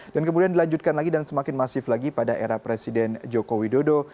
dan kemudian dilanjutkan lagi dan semakin masif lagi pada era presiden joko widodo